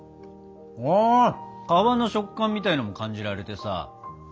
皮の食感みたいなのも感じられてさ。